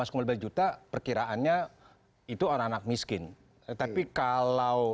kalau tidak perkiraannya itu anak anak miskin tapi kalau